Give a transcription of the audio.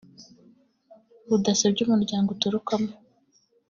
udasebya umuryango uturukamo